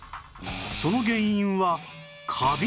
その原因はカビ！？